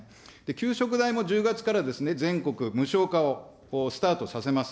給食代も１０月から全国無償化をスタートさせます。